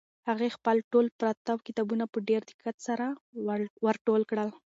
هغې خپل ټول پراته کتابونه په ډېر دقت سره ور ټول کړل.